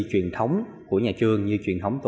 truyền thống của nhà trường như truyền thống